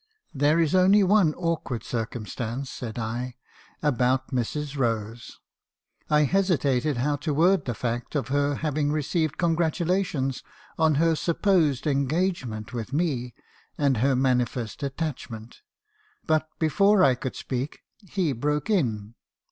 " 'There is only one awkward circumstance,' said I, — 'about Mrs. Rose.' I hesitated how to word the fact of her having received congratulations on her supposed engagement with me, and her manifest attachment; but, before I could speak, he broke in.